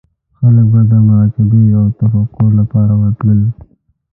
خلک به د مراقبې او تفکر لپاره ورتلل.